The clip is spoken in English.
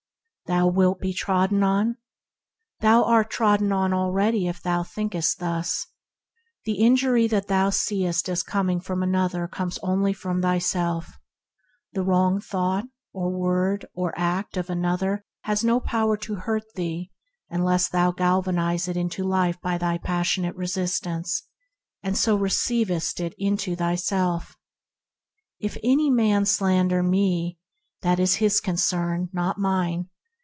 Thou wilt be trodden on ? Thou art trodden on already if thou thinkest thus. The injury that thou seest as coming from another comes only from thyself. The wrong thought, or word, or act of another has no power to hurt thee unless thou vivify it by thy passionate resistance, and so receivest it into thy 120 THE HEAVENLY LIFE self. If a man slander me, that is his con cern, not mine.